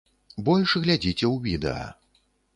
Больш глядзіце ў відэа.